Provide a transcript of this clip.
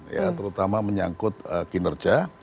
ya terutama menyangkut kinerja